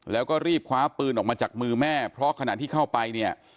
แล้วก็รีบคว้าปืนออกมาจากมือแม่เพราะขณะที่เข้าไปเนี่ย